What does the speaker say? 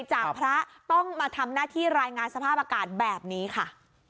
จากพระต้องมาทำหน้าที่รายงานสภาพอากาศแบบนี้ค่ะ